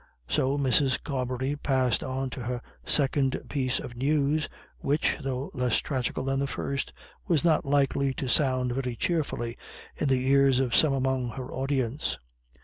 So Mrs. Carbery passed on to her second piece of news, which, though less tragical than the first, was not likely to sound very cheerfully in the ears of some among her audience.